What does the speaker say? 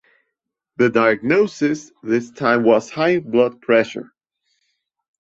The diagnosis this time was high blood pressure.